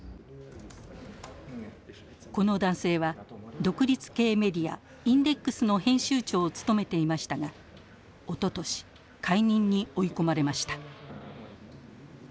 この男性は独立系メディアインデックスの編集長を務めていましたがおととし解任に追い込まれました。